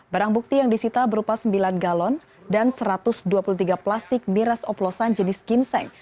barang bukti yang disita berupa sembilan galon dan satu ratus dua puluh tiga plastik miras oplosan jenis ginseng